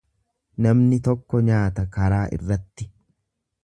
Namni tokko nyaata karaa irratti.